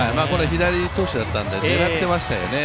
左投手だったんで狙っていましたね。